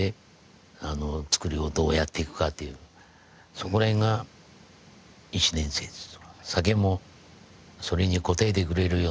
そこら辺が１年生です。